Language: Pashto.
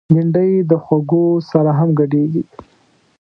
بېنډۍ د خوږو سره هم ګډیږي